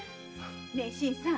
ねえ新さん